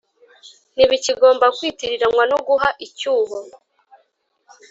Ntibikigomba kwitiraranywa no guha icyuho